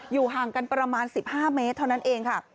ห่างกันประมาณ๑๕เมตรเท่านั้นเองค่ะ